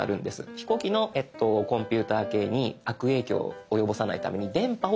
飛行機のコンピューター系に悪影響を及ぼさないために電波を止めます。